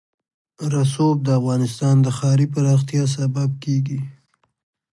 رسوب د افغانستان د ښاري پراختیا سبب کېږي.